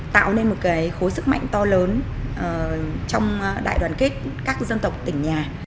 tạo nên một cái khối sức mạnh to lớn trong đại đoàn kết các dân tộc tỉnh nhà